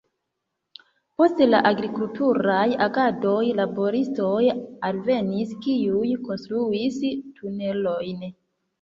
Post la agrikulturaj agadoj laboristoj alvenis, kiuj konstruis tunelon.